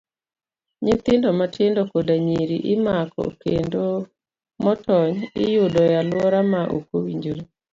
Nyithindo matindo koda nyiri imako kendo motony, iyudo e aluora ma okowinjore.